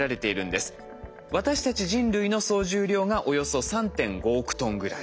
私たち人類の総重量がおよそ３．５億トンぐらい。